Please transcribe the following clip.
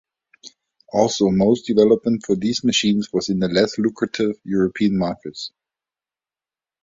Also, most development for these machines was in the less-lucrative European markets.